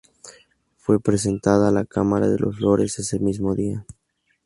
Fue presentada a la Cámara de los Lores ese mismo día.